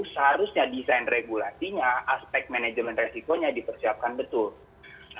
seharusnya desain regulasinya aspek manajemen resikonya dipersiapkan betul